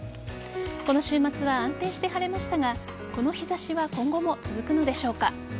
この週末は安定して晴れましたがこの日差しは今後も続くのでしょうか。